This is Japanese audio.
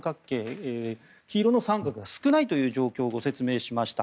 黄色の三角が少ないという状況をご説明しました。